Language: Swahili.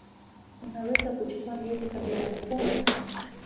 Unaweza kuchukua miezi kabla ya kupona.